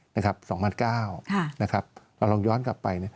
๒๐๐๙นะครับเราลองย้อนกลับไป